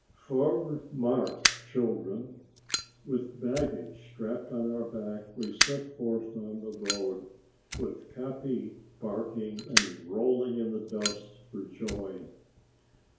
"Forward! March! Children!" With baggage strapped on our back we set forth on the road, with Capi barking and rolling in the dust for joy.